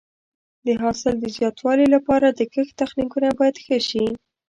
د حاصل د زیاتوالي لپاره د کښت تخنیکونه باید ښه شي.